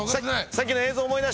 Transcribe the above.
さっきの映像思い出して。